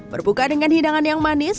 berbuka dengan hidangan yang manis